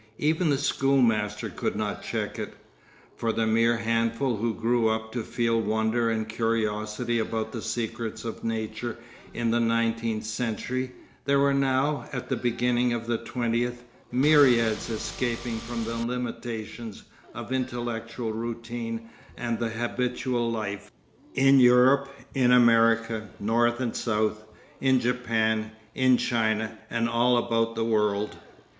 Even the schoolmaster could not check it. For the mere handful who grew up to feel wonder and curiosity about the secrets of nature in the nineteenth century, there were now, at the beginning of the twentieth, myriads escaping from the limitations of intellectual routine and the habitual life, in Europe, in America, North and South, in Japan, in China, and all about the world.